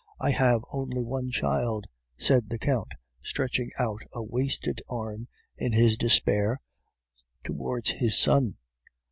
"'I have only one child,' said the Count, stretching out a wasted arm, in his despair, towards his son.